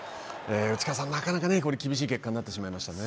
内川さん、なかなかね、これ、厳しい結果になってしまいましたね。